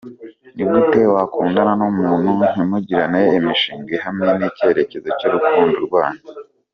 Ni gute wakundana n’umuntu ntimugirane imishinga ihamye n’icyerekezo cy’urukundo rwanyu?.